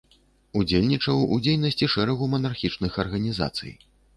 Удзельнічаў у дзейнасці шэрагу манархічных арганізацый.